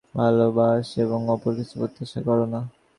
ভালবাস এবং অপর কিছু প্রত্যাশা কর না।